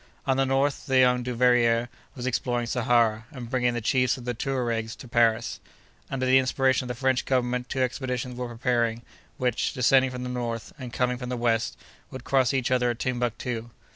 On the north, the young Duveyrier was exploring Sahara, and bringing the chiefs of the Touaregs to Paris. Under the inspiration of the French Government, two expeditions were preparing, which, descending from the north, and coming from the west, would cross each other at Timbuctoo.